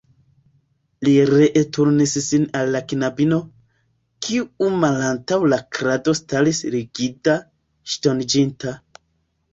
Li ree turnis sin al la knabino, kiu malantaŭ la krado staris rigida, ŝtoniĝinta.